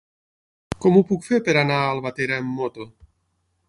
Com ho puc fer per anar a Albatera amb moto?